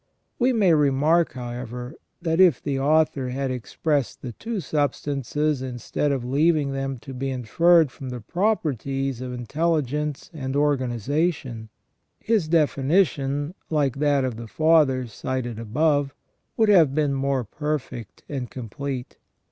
We may remark, however, that if the author had expressed the two substances instead of leaving them to be inferred from the properties of intelligence and organization, his definition, like that of the Fathers cited above, would have been more perfect and complete.